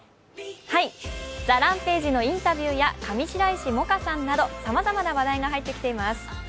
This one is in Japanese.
ＴＨＥＲＡＭＰＡＧＥのインタビューや上白石萌歌さんなどさまざまな話題が入ってきています。